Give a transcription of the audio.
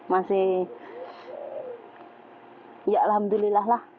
masih ya alhamdulillah lah